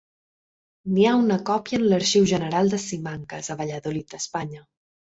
N'hi ha una còpia en l'Arxiu General de Simancas, a Valladolid, Espanya.